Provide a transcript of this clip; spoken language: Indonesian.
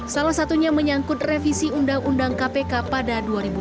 salah satunya menyangkut revisi undang undang kpk pada dua ribu sembilan